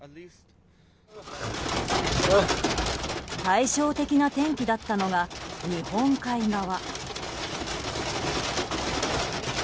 対照的な天気だったのが日本海側。